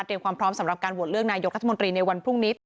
ความพร้อมสำหรับการโหวตเลือกนายกรัฐมนตรีในวันพรุ่งนี้